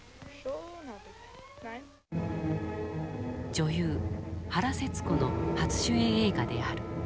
女優原節子の初主演映画である。